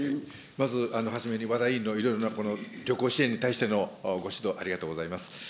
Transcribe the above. まずはじめに、和田委員のいろいろな旅行支援に関してのご指導ありがとうございます。